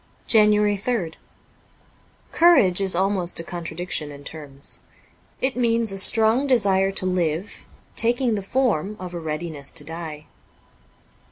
'' JANUARY 3rd COURAGE is almost a contradiction in terms. It means a strong desire to live taking the form of a readiness to die.